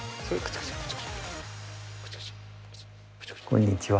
こんにちは。